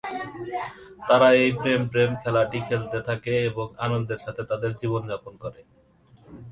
তারা এই প্রেম-প্রেম খেলাটি খেলতে থাকে এবং আনন্দের সাথে তাদের জীবনযাপন করে।